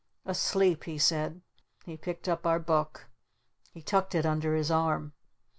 "Asleep," he said. He picked up our Book. He tucked it under his arm.